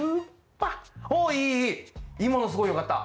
いまのすごいよかった。